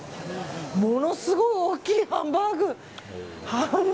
ものすごい大きいハンバーグ！